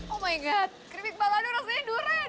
oh my god kripik belado rasanya durian